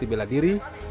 seperti bela diri